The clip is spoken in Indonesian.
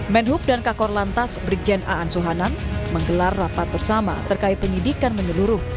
menhub dan kakor lantas brigjen aan suhanan menggelar rapat bersama terkait penyidikan menyeluruh